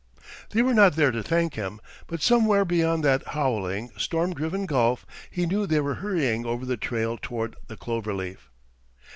They were not there to thank him; but somewhere beyond that howling, storm driven gulf he knew they were hurrying over the trail toward the Clover Leaf.